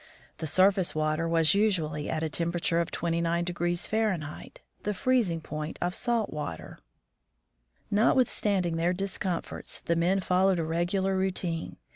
The surface water was usually at a temperature of 29 F., the freezing point of salt water. Notwithstanding their discomforts, the men followed a regular routine.